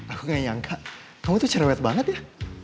aku gak nyangka kamu tuh cerewet banget ya